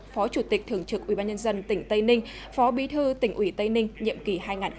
phó chủ tịch thường trực ủy ban nhân dân tỉnh tây ninh phó bí thư tỉnh ủy tây ninh nhiệm kỳ hai nghìn một mươi năm hai nghìn hai mươi